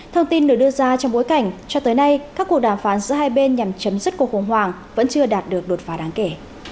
thông tin được đưa ra trong bối cảnh cho tới nay các cuộc đàm phán giữa hai bên nhằm chấm dứt cuộc khủng hoảng vẫn chưa đạt được đột phá đáng kể